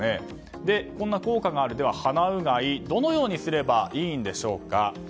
こんな効果がある鼻うがいどのようにすればいいんでしょうか。